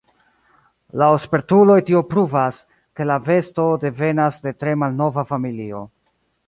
Laŭ spertuloj tio pruvas, ke la besto devenas de tre malnova familio.